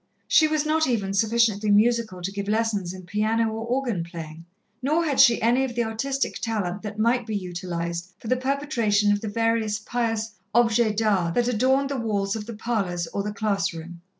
She was not even sufficiently musical to give lessons in piano or organ playing, nor had she any of the artistic talent that might be utilized for the perpetration of the various pious objects d'art that adorned the walls of the parlours or the class room.